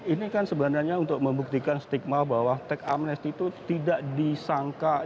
ini kan sebenarnya untuk membuktikan stigma bahwa tech amnesty itu tidak disangka